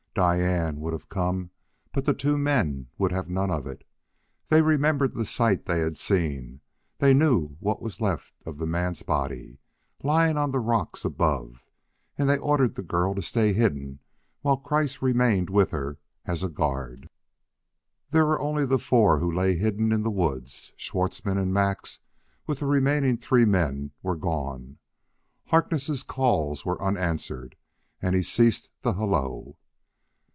Diane would have come, but the two men would have none of it. They remembered the sight they had seen; they knew what was left of a man's body lying on the rocks above; and they ordered the girl to stay hidden while Kreiss remained with her as a guard. There were only the four who lay hidden in the woods; Schwartzmann and Max, with the remaining three men, were gone. Harkness' calls were unanswered, and he ceased the halloo.